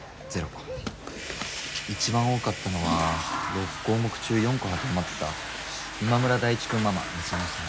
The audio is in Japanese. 一番多かったのは６項目中４個当てはまってた今村大地くんママ美園さん。